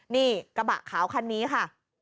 นี่กระบะขาวคันนี้ค่ะ